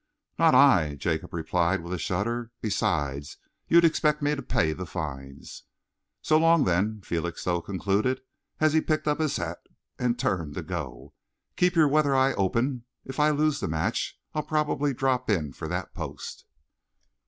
"Not I!" Jacob replied, with a shudder. "Besides, you'd expect me to pay the fines." "So long, then," Felixstowe concluded, as he picked up his hat and turned to go. "Keep your weather eye open. If I lose the match, I'll probably drop in for that post."